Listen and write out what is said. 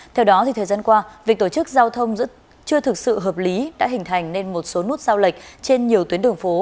theo đó thời gian qua việc tổ chức giao thông chưa thực sự hợp lý đã hình thành nên một số nút sao lệch trên nhiều tuyến đường phố